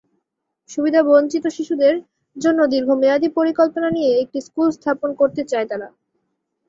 সুবিধাবঞ্চিত শিশুদের জন্য দীর্ঘমেয়াদি পরিকল্পনা নিয়ে একটি স্কুল স্থাপন করতে চায় তারা।